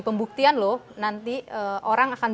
pembuktian loh nanti orang akan